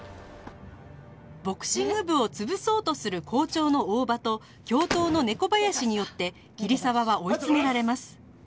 ボクシング部を潰そうとする校長の大場と教頭の猫林によって桐沢は追い詰められます